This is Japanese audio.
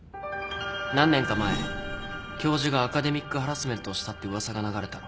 何年か前教授がアカデミックハラスメントをしたって噂が流れた。